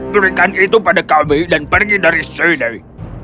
berikan itu pada kami dan pergi dari sini